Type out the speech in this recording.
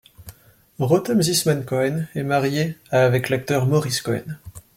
Rotem Zisman-Cohen est mariée avec l'acteur Maurice Cohen.